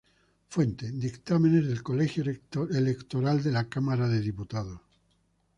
Fuente: Dictámenes del Colegio Electoral de la Cámara de Diputados.